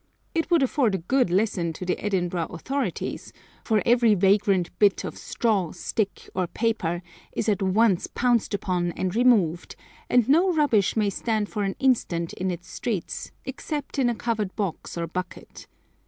It would afford a good lesson to the Edinburgh authorities, for every vagrant bit of straw, stick, or paper, is at once pounced upon and removed, and no rubbish may stand for an instant in its streets except in a covered box or bucket.